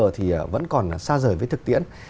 thì vẫn còn xa rời với thực tiễn